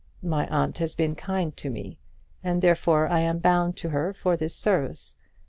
My aunt has been kind to me, and therefore I am bound to her for this service.